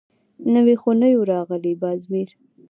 _نوي خو نه يو راغلي، باز مير.